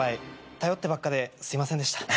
頼ってばっかですいませんでした。